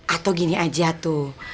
atau gini aja tuh